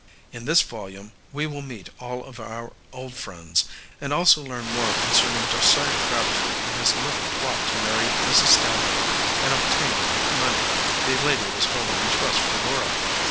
In this volume we will meet all of our old friends, and also learn more concerning Josiah Crabtree and his little plot to marry Mrs. Stanhope and obtain the money the lady was holding in trust for Dora.